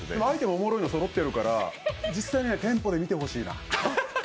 アイテムおもろいのそろってるから実際に店舗で見てほしいな。